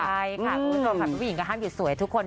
ใช่ค่ะคุณผู้ชมค่ะผู้หญิงก็ห้ามหยุดสวยทุกคน